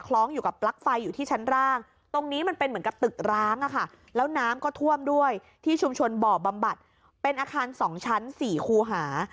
แล้วน้ำก็ท่วมด้วยที่ชุมชนเบาะบำบัตรเป็นอาคารสองชั้นสี่คู่หา